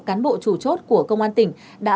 cán bộ chủ chốt của công an tỉnh đã